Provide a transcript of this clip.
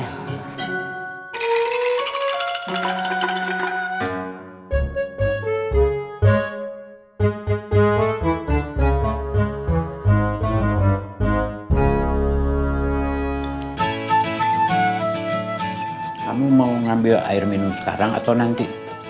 kamu mau ngambil air minum sekarang atau nanti